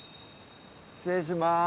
失礼します。